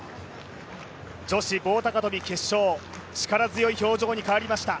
女子棒高跳決勝力強い表情に変わりました。